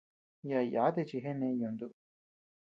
Yaʼa yáti chi genee yuntu.